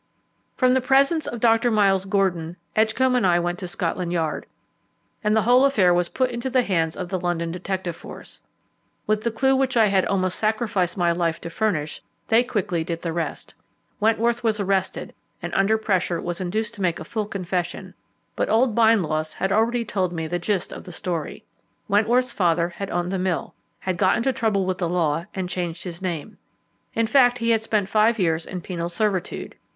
From the presence of Dr. Miles Gordon, Edgcombe and I went to Scotland Yard, and the whole affair was put into the hands of the London detective force. With the clue which I had almost sacrificed my life to furnish, they quickly did the rest. Wentworth was arrested, and under pressure was induced to make a full confession, but old Bindloss had already told me the gist of the story. Wentworth's father had owned the mill, had got into trouble with the law, and changed his name. In fact, he had spent five years in penal servitude.